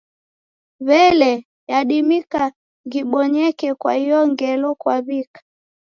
W'elee, yadimika ghibonyeke kwa iyo ngelo kwaw'ika?